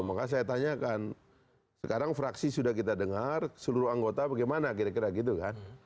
maka saya tanyakan sekarang fraksi sudah kita dengar seluruh anggota bagaimana kira kira gitu kan